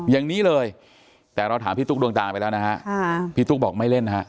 อย่างนี้เลยแต่เราถามพี่ตุ๊กดวงตาไปแล้วนะฮะพี่ตุ๊กบอกไม่เล่นฮะ